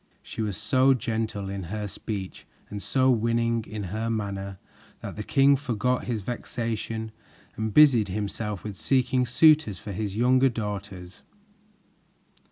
She was so gentle in her speech and so winning in her manner that the king forgot his vexation and busied himself with seeking suitors for his younger daughters.